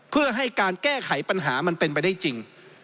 เพื่อให้การแก้ไขปัญหามันเป็นไปได้จริง